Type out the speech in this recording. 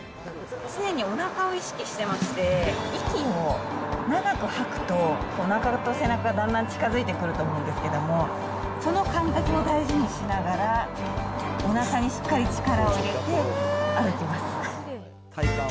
常におなかを意識してまして、息を長く吐くとおなかと背中がだんだん近づいてくると思うんですけども、その感覚を大事にしながらおなかにしっかり力を入れて歩きます。